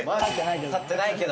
立ってないけど。